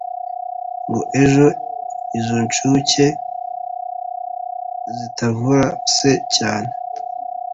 ngo ejo izo nshuke zitavura se cyane